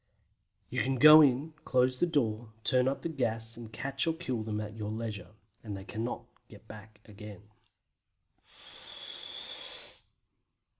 You can then go in, close the door, turn up the gas and catch or kill them at your leisure, as they cannot get back again.